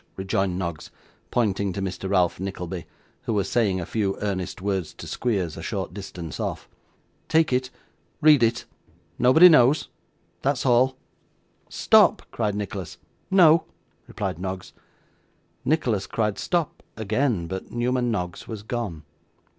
rejoined Noggs, pointing to Mr. Ralph Nickleby, who was saying a few earnest words to Squeers, a short distance off: 'Take it. Read it. Nobody knows. That's all.' 'Stop!' cried Nicholas. 'No,' replied Noggs. Nicholas cried stop, again, but Newman Noggs was gone.